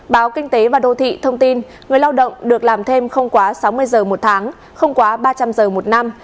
báo kinh tế và đô thị thông tin người lao động được làm thêm không quá sáu mươi giờ một tháng không quá ba trăm linh giờ một năm